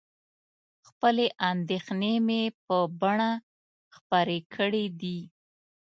خپلې اندېښنې مې په بڼه خپرې کړي دي.